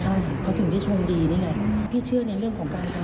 ใช่เขาถึงที่ชงดีนี่แน่พี่เชื่อในเรื่องของการประกุ่น